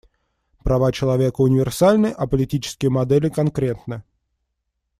Права человека универсальны, а политические модели конкретны.